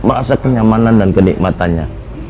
masa kenyamanan dan kenikmatannya